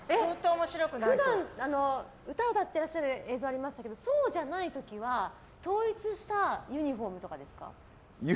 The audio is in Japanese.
普段、歌を歌ってらっしゃる映像がありましたけどそうじゃない時は統一したユニホームとかですか？